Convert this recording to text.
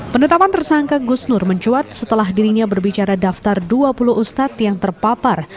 penetapan tersangka gus nur mencuat setelah dirinya berbicara daftar dua puluh ustadz yang terpapar